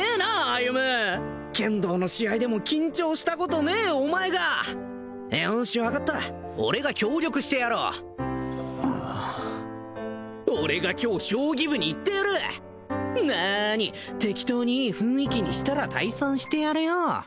歩剣道の試合でも緊張したことねえお前がよし分かった俺が協力してやろう俺が今日将棋部に行ってやるなあに適当にいい雰囲気にしたら退散してやるよ